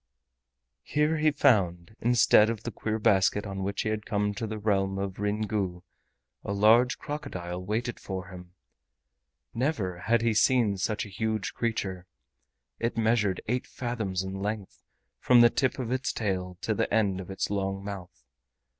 Here he found, instead of the queer basket on which he had come to the Realm of Ryn Gu, a large crocodile waiting for him. Never had he seen such a huge creature. It measured eight fathoms in length from the tip of its tail to the end of its long mouth.